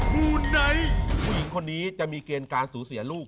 ผู้หญิงคนนี้จะมีเกณฑ์การสู่เสียลูก